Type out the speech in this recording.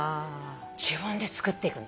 自分で作っていくんだよ。